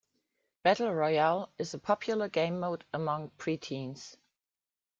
Battle Royale is a popular gamemode among preteens.